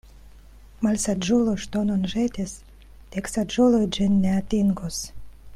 Malsaĝulo ŝtonon ĵetis, dek saĝuloj ĝin ne atingos.